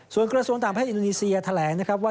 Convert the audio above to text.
ส่วนเกราะสอวนต่างแพทย์อินโหนิเซียแถลงว่า